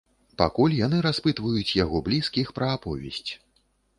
Пакуль яны распытваюць яго блізкіх пра аповесць.